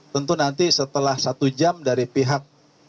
tentu nanti setelah satu jam dari pihak